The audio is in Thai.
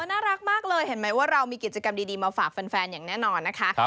น่ารักมากเลยเห็นไหมว่าเรามีกิจกรรมดีมาฝากแฟนอย่างแน่นอนนะคะ